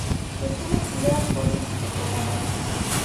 Es conocida por sus hipopótamos.